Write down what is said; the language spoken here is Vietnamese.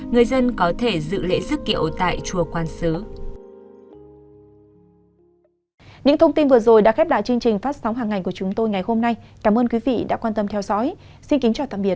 người dân có thể giữ lễ giức kiệu tại chùa quan sứ